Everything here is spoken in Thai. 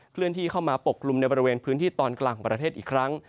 เลื่อนที่เข้ามาปกกลุ่มในบริเวณพื้นที่ตอนกลางของประเทศอีกครั้ง